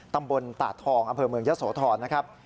ตำบลตาดทองอำเภอเมืองยะโสธรนะครับ